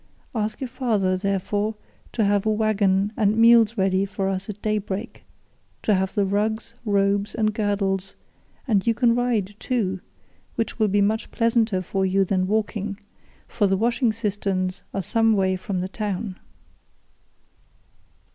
Ask your father, therefore, to have a waggon and mules ready for us at daybreak, to take the rugs, robes, and girdles, and you can ride, too, which will be much pleasanter for you than walking, for the washing cisterns are some way from the town."